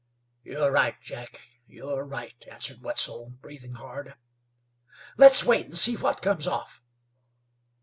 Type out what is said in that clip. "You're right, Jack, you're right," answered Wetzel, breathing hard. "Let's wait, and see what comes off."